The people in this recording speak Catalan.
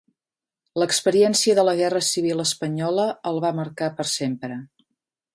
L'experiència de la Guerra Civil Espanyola el va marcar per sempre.